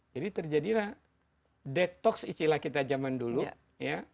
jadi terjadilah detox istilah kita zaman dulu ya